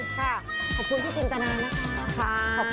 ค่ะขอบคุณพี่จินตเรนค่ะนะคะขอบคุณค่ะ